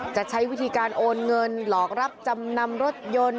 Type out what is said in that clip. จะใช้วิธีการโอนเงินหลอกรับจำนำรถยนต์